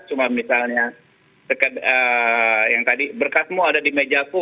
cuma misalnya berkatmu ada di meja ku